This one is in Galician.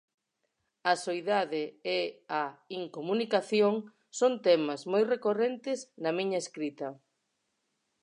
A soidade e a incomunicación son temas moi recorrentes na miña escrita.